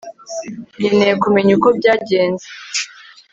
nkeneye kumenya uko byagenze